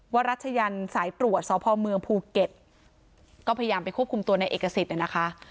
รัชยันสายตรวจสพเมืองภูเก็ตก็พยายามไปควบคุมตัวในเอกสิทธิ์นะคะ